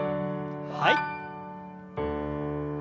はい。